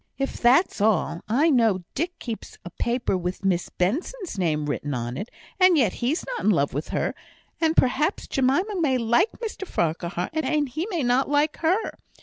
"If that's all, I know Dick keeps a paper with Miss Benson's name written on it, and yet he's not in love with her; and perhaps Jemima may like Mr Farquhar, and he may not like her.